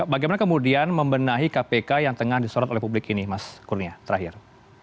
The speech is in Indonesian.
bagaimana kemudian membenahi kpk yang tengah disorot oleh publik ini mas kurnia terakhir